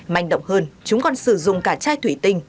manh động hơn chúng còn sử dụng cả chai thủy tinh